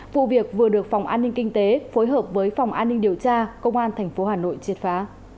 vụ việc vừa được phòng an ninh kinh tế phối hợp với phòng an ninh điều tra công an tp hà nội triệt phá